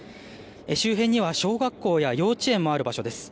周辺には小学校や幼稚園もある場所です。